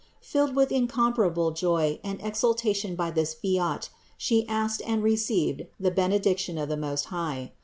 Filled with incomparable joy and exultation by this fiat, She asked and received the benediction of the Most High.